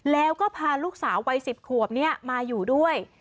แล้วก็พาลูกสาววัย๑๐ขวบมาอยู่ด้วย